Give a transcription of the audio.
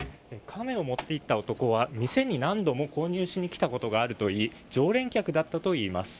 カメを持って行った男は店に何度も購入しに来たことがあるといい常連客だったといいます。